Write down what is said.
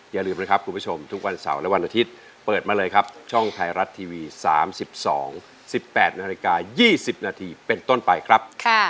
อย่าลืมนะครับคุณผู้ชมทุกวันเสาร์และวันอาทิตย์เปิดมาเลยครับช่องไทยรัฐทีวี๓๒๑๘นาฬิกา๒๐นาทีเป็นต้นไปครับ